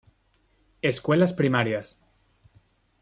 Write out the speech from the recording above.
Escuelas primarias